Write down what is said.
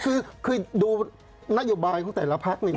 คือดูนโยบายของแต่ละพัก